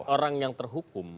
orang yang terhukum